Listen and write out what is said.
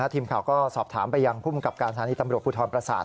ทีมข่าวก็สอบถามไปยังภูมิกับการสถานีตำรวจภูทรประสาท